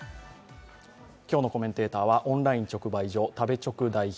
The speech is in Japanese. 今日のコメンテーターはオンライン直売所、食べチョク代表